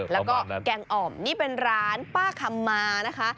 แล้วก็แกงอ่อมนี่เป็นร้านป้าคำมานะคะ